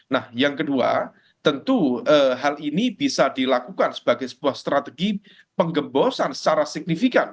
nah yang kedua tentu hal ini bisa dilakukan sebagai sebuah strategi penggembosan secara signifikan